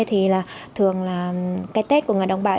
thì thường là cái tết của người đồng bào